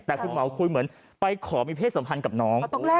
แต่คุณหมอคุยเหมือนไปขอมีเพศสัมพันธ์กับน้อง